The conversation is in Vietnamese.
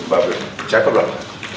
và việc trái pháp luật